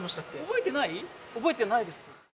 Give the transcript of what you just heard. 覚えてないです。